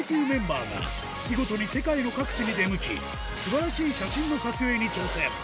メンバーが月ごとに世界の各地に出向き素晴らしい写真の撮影に挑戦